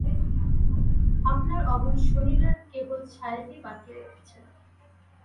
আপনার অমন শরীরের কেবল ছায়াটি বাকি রেখেছেন!